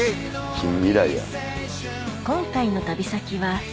近未来や。